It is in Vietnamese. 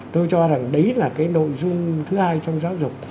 tôi cho rằng đấy là cái nội dung thứ hai trong giáo dục